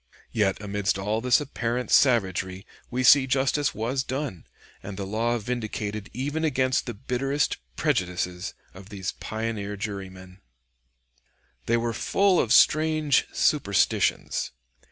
Yet amidst all this apparent savagery we see justice was done, and the law vindicated even against the bitterest prejudices of these pioneer jurymen. [Sidenote: Lamon, p. 44.] They were full of strange superstitions.